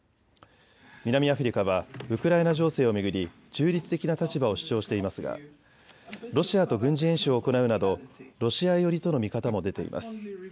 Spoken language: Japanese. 南アフリカはウクライナ情勢を巡り中立的な立場を主張していますがロシアと軍事演習を行うなどロシア寄りとの見方も出ています。